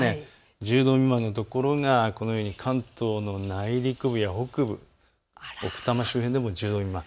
１０度未満のところがこのように関東の内陸部や北部、奥多摩周辺でも１０度未満。